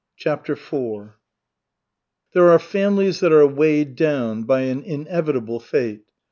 CHAPTER IV There are families that are weighed down by an inevitable fate.